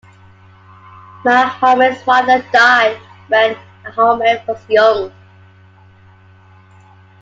Mahomed's father died when Mahomed was young.